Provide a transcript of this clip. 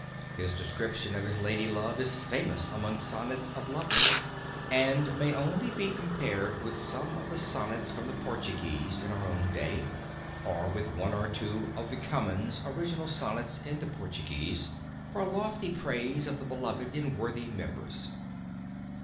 His description of his lady love is famous among sonnets of lovers and may only be compared with some of the Sonnets from the Portuguese in our own day, or with one or two of Camoens' original sonnets in the Portuguese, for lofty praise of the beloved in worthy numbers.